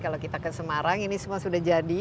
kalau kita ke semarang ini semua sudah jadi